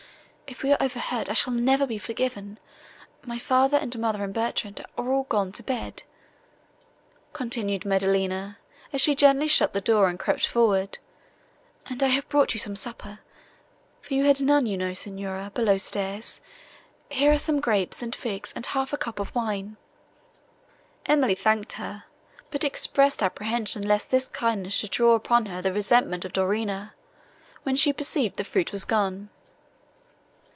—if we are overheard I shall never be forgiven. My father and mother and Bertrand are all gone to bed," continued Maddelina, as she gently shut the door, and crept forward, "and I have brought you some supper, for you had none, you know, Signora, below stairs. Here are some grapes and figs and half a cup of wine." Emily thanked her, but expressed apprehension lest this kindness should draw upon her the resentment of Dorina, when she perceived the fruit was gone.